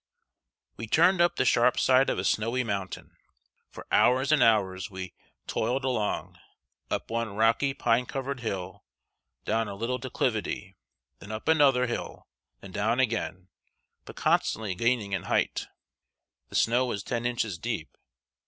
] We turned up the sharp side of a snowy mountain. For hours and hours we toiled along, up one rocky, pine covered hill, down a little declivity, then up another hill, then down again, but constantly gaining in hight. The snow was ten inches deep.